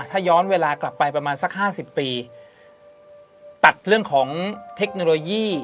ถ้าย้อนเวลากลับไปประมาณสักห้าสิบปีตัดเรื่องของเทคโนโลยี